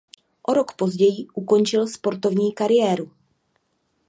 O rok později ukončil sportovní kariéru.